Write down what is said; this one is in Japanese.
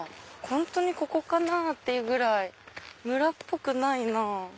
ホントにここかな？っていうぐらい村っぽくないなぁ。